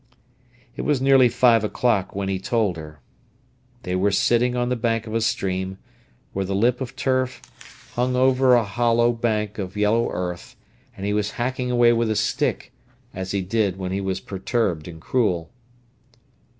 It was nearly five o'clock when he told her. They were sitting on the bank of a stream, where the lip of turf hung over a hollow bank of yellow earth, and he was hacking away with a stick, as he did when he was perturbed and cruel.